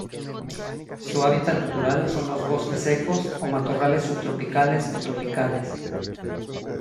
Su hábitat natural son los bosques secos o matorrales subtropicales o tropicales.